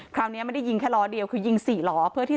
คราวนี้ไม่ได้ยิงแค่ล้อเดียวคือยิง๔ล้อเพื่อที่